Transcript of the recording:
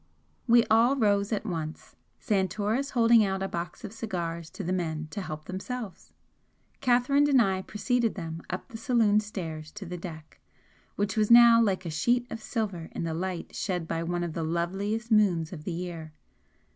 We all rose at once, Santoris holding out a box of cigars to the men to help themselves. Catherine and I preceded them up the saloon stairs to the deck, which was now like a sheet of silver in the light shed by one of the loveliest moons of the year.